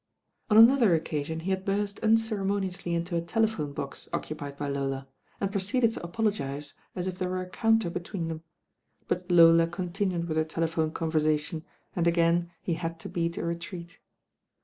On another occasion he had burst unceremo niously into a telephone box occupied by Lola, and 168 THE RAIN GIRL proceeded to apologise as if there were a counter between them; but Lola continued with her telephone conversation, and again he had to beat a retreat.